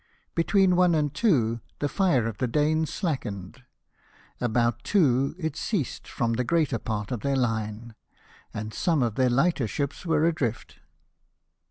Between one and two the fire of the Danes slackened ; about two it ceased from the greater part of their line, and some of their lighter ships were adrift.